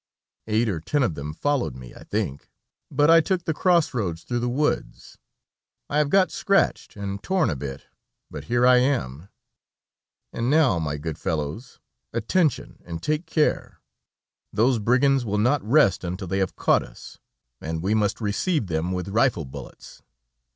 Eight or ten of them followed me, I think, but I took the cross roads through the woods; I have got scratched and torn a bit, but here I am, and now, my good fellows, attention, and take care! Those brigands will not rest until they have caught us, and we must receive them with rifle bullets.